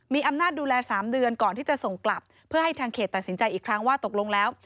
มีอำนาจดูแล๓เดือนก่อนที่จะส่งกลับเพื่อให้ทางเขตตัดสินใจอีกครั้งว่าตกลงแล้ว